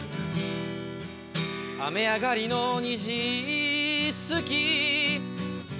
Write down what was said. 雨上がりの虹好き